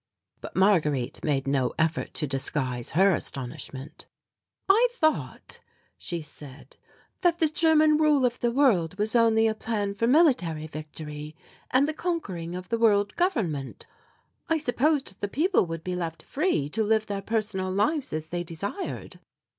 But Marguerite made no effort to disguise her astonishment. "I thought," she said, "that the German rule of the world was only a plan for military victory and the conquering of the World Government. I supposed the people would be left free to live their personal lives as they desired."